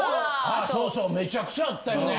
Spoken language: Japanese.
あそうそうめちゃくちゃあったよね。